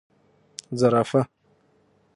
🦒 زرافه